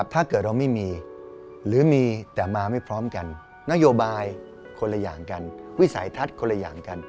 ถ้าเกิดเราไม่มีหรือมีแต่มาไม่พร้อมกันนโยบายคนละอย่างกันวิสัยทัศน์คนละอย่างกัน